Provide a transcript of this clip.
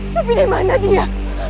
tapi dimana dia